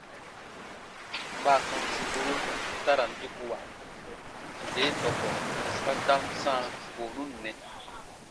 Baatɔn sìkuru ta ra n dukuwa nde dɔkɔ kpa ta n sãa goonu nɛ.